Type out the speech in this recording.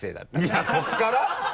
いやそこから？